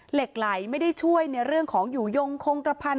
เหล็กไหลไม่ได้ช่วยในเรื่องของอยู่ยงคงกระพันธ